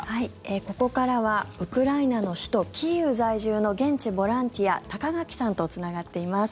ここからはウクライナの首都キーウ在住の現地ボランティア高垣さんとつながっています。